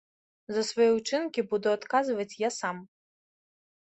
За свае ўчынкі буду адказваць я сам!